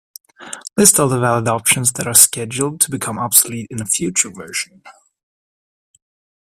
List all the valid options that are scheduled to become obsolete in a future version.